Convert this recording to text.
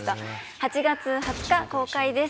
８月２０日公開です。